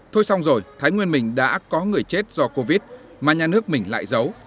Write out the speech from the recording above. thôi xong rồi thái nguyên mình đã có người chết do covid mà nhà nước mình lại giấu